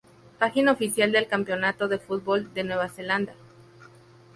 Página oficial del Campeonato de Fútbol de Nueva Zelanda.